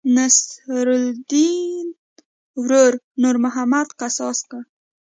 نصرالیدن ورور نور محمد قصاص کړ.